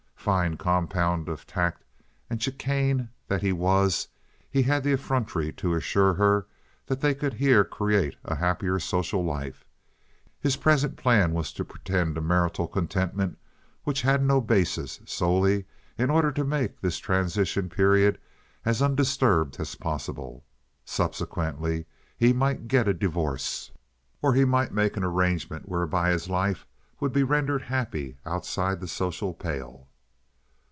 Fine compound of tact and chicane that he was, he had the effrontery to assure her that they could here create a happier social life. His present plan was to pretend a marital contentment which had no basis solely in order to make this transition period as undisturbed as possible. Subsequently he might get a divorce, or he might make an arrangement whereby his life would be rendered happy outside the social pale.